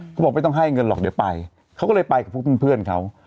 เขาบอกไม่ต้องให้เงินหรอกเดี๋ยวไปเขาก็เลยไปกับพวกเพื่อนเขา